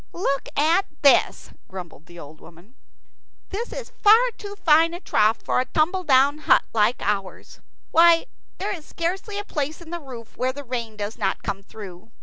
"Look at this," grumbled the old woman. "This is far too fine a trough for a tumbledown hut like ours. Why, there is scarcely a place in the roof where the rain does not come through.